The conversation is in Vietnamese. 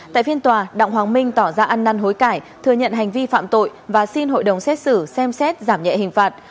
tại phiên tòa đặng hoàng minh tỏ ra ăn năn hối cải thừa nhận hành vi phạm tội và xin hội đồng xét xử xem xét giảm nhẹ hình phạt